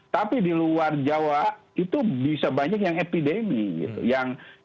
tapi di luar jawa itu bisa banyak yang epidemi gitu